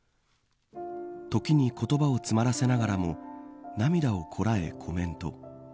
時に言葉を詰まらせながらも涙をこらえコメント。